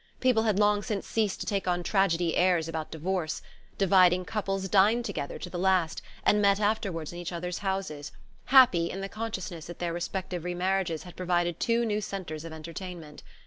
People had long since ceased to take on tragedy airs about divorce: dividing couples dined together to the last, and met afterward in each other's houses, happy in the consciousness that their respective remarriages had provided two new centres of entertainment.